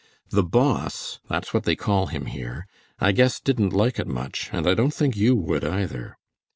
The Boss, that's what they call him here, I guess didn't like it much, and I don't think you would, either.